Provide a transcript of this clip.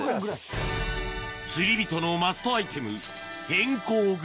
釣り人のマストアイテム